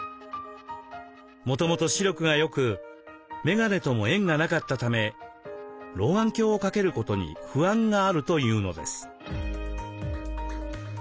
もともと視力が良く眼鏡とも縁がなかったため老眼鏡を掛けることに不安があるというのです。